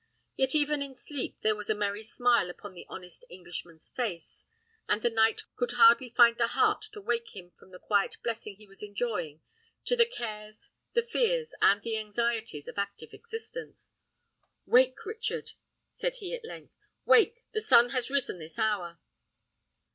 Yet even in sleep there was a merry smile upon the honest Englishman's face, and the knight could hardly find the heart to wake him from the quiet blessing he was enjoying to the cares, the fears, and the anxieties of active existence. "Wake, Richard!" said he, at length, "wake; the sun has risen this hour."